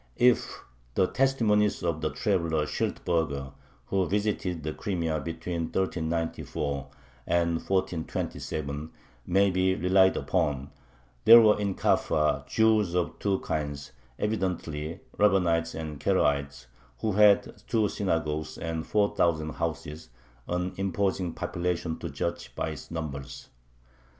If the testimony of the traveler Schiltberger, who visited the Crimea between 1394 and 1427, may be relied upon, there were in Kaffa Jews "of two kinds," evidently Rabbanites and Karaites, who had two synagogues and four thousand houses, an imposing population to judge by its numbers.